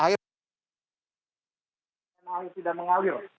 air tidak mengalir